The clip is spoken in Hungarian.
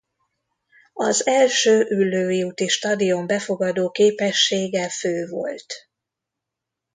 Az első Üllői úti stadion befogadóképessége fő volt.